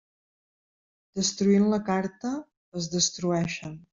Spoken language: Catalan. Destruint la carta, es destrueixen.